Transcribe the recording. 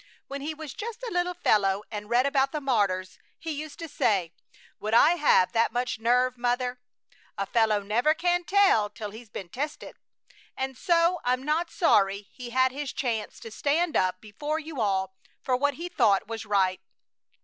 When he was just a little fellow and read about the martyrs, he used to say: 'Would I have that much nerve, mother? A fellow never can tell till he's been tested!' And so I'm not sorry he had his chance to stand up before you all for what he thought was right.